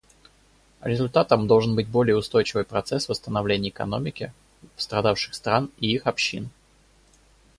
Результатом должен быть более устойчивый процесс восстановления экономики пострадавших стран и их общин.